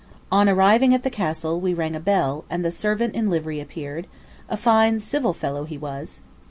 On arriving at the castle, we rang a bell, and the servant in livery appeared a fine, civil fellow he was.